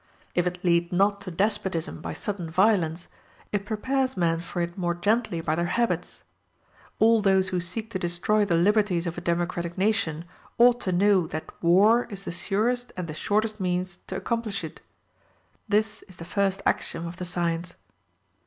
If it lead not to despotism by sudden violence, it prepares men for it more gently by their habits. All those who seek to destroy the liberties of a democratic nation ought to know that war is the surest and the shortest means to accomplish it. This is the first axiom of the science.